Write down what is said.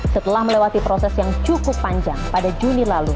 setelah melewati proses yang cukup panjang pada juni lalu